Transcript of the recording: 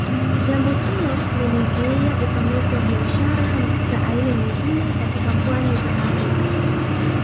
Jambo hilo lilizuia upanuzi wa biashara za aina nyingine katika pwani za Afrika